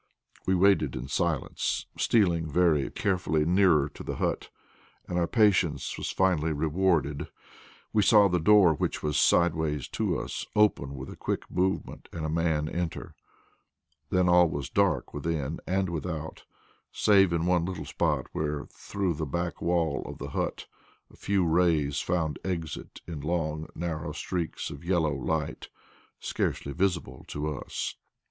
We waited in silence, stealing very carefully nearer to the hut, and our patience was finally rewarded. We saw the door, which was sidewise to us, open with a quick movement and a man enter. Then all was dark within and without, save in one little spot where, through the back wall of the hut, a few rays found exit in long, narrow streaks of yellow light, scarcely visible to us.